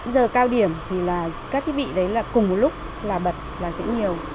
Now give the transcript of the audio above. giờ cao điểm thì là các thiết bị đấy là cùng một lúc là bật là dễ nhiều